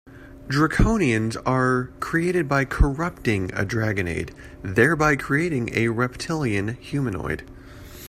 Draconians are created by corrupting a dragon egg, thereby creating a reptilian humanoid.